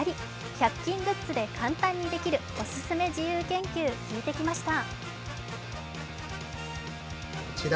１００均グッズで簡単にできるオススメ自由研究、聞いてきました。